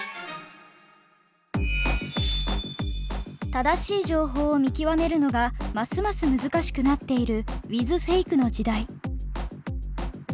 正しい情報を見極めるのがますます難しくなっているウィズフェイクの時代。